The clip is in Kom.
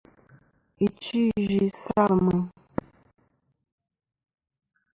Ɨchfɨ̀-iyvɨ-i salɨ meyn.